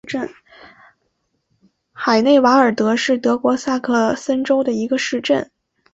海内瓦尔德是德国萨克森州的一个市镇。